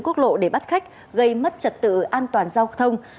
quốc lộ để bắt khách gây mất trật tự an toàn giao thông